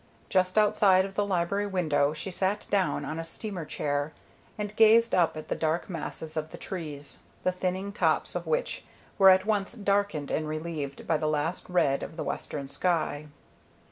Just outside of the library window she sat down on a steamer chair and gazed up at the dark masses of the trees, the thinning tops of which were at once darkened and relieved by the last red of the western sky.